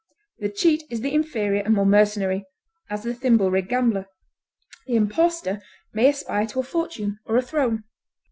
The cheat is the inferior and more mercenary, as the thimble rig gambler; the impostor may aspire to a fortune or a throne.